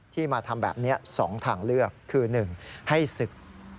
มาทำแบบนี้๒ทางเลือกคือ๑ให้ศึก